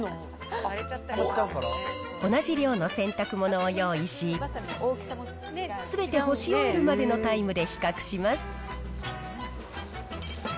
同じ量の洗濯物を用意し、すべて干し終えるまでのタイムで比較します。